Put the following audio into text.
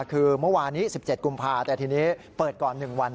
คือเมื่อวานนี้๑๗กุมภาแต่ทีนี้เปิดก่อน๑วัน